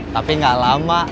tapi gak lama